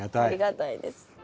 ありがたいです。